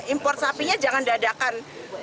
import sapinya jangan dadakan